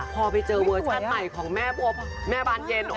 พอไปเจอเวอร์ชั่นใหม่ของแม่บานเย็น